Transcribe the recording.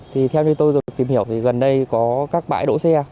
thì theo như tôi tìm hiểu thì gần đây có các bãi đỗ xe